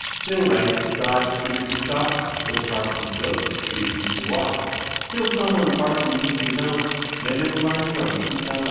4 Still right; to dodge the ridge of chalk I Where Parson's Ghost it used to walk, 1 Till someone Parson used to know j Met him blind drunk in Callao.